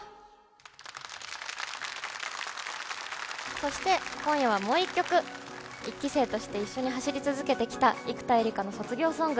そして、今夜はもう１曲１期生として一緒に走り続けてきた生田絵梨花の卒業ソング。